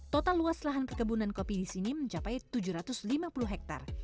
total luas lahan kekebunan kopi disini mencapai tujuh ratus lima puluh hektar